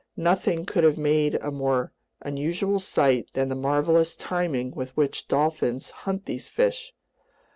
Nothing could have made a more unusual sight than the marvelous timing with which dolphins hunt these fish.